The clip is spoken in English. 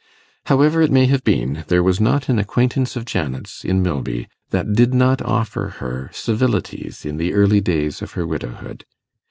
However it may have been, there was not an acquaintance of Janet's, in Milby, that did not offer her civilities in the early days of her widowhood.